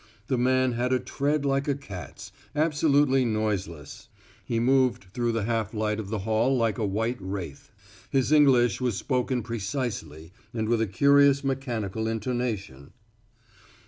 The man had a tread like a cat's, absolutely noiseless; he moved through the half light of the hall like a white wraith. His English was spoken precisely and with a curious mechanical intonation.